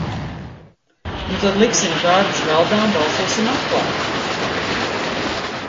Nu tad liksim kārtis galdā un balsosim atklāti!